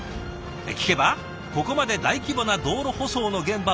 聞けばここまで大規模な道路舗装の現場